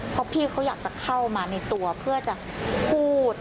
เพราะพี่เขาอยากจะเข้ามาในตัวเพื่อจะพูด